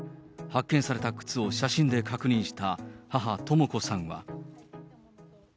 発見された靴を写真で確認した母、とも子さんは。